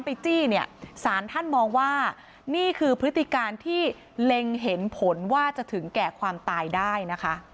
จี้เนี่ยสารท่านมองว่านี่คือพฤติการที่เล็งเห็นผลว่าจะถึงแก่ความตายได้นะคะ